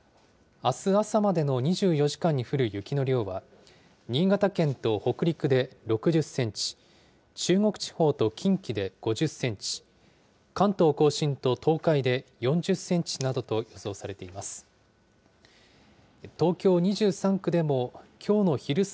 あす朝までの２４時間に降る雪の量は、新潟県と北陸で６０センチ、中国地方と近畿で５０センチ、関東甲信と東海で４０センチなどと予想されています。